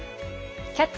「キャッチ！